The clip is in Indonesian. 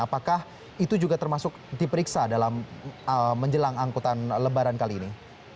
apakah itu juga termasuk diperiksa dalam menjelang angkutan lebaran kali ini